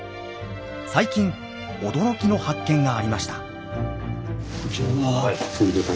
最近驚きの発見がありました。